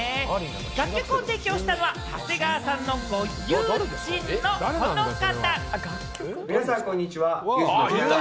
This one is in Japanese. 楽曲を提供したのは長谷川さんのご友人のこの方。